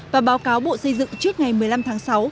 và báo cáo bộ xây dựng trước ngày một mươi năm tháng sáu